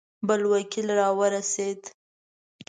بل وکیل را ورسېد.